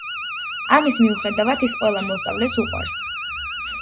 ამის მიუხედავად ის ყველა მოსწავლეს უყვარს.